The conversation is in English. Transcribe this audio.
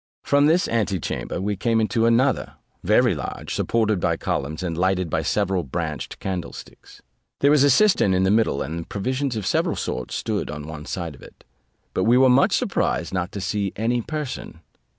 From this antechamber we came into another, very large, supported by columns, and lighted by several branched candlesticks. There was a cistern in the middle, and provisions of several sorts stood on one side of it; but we were much surprised not to see any person.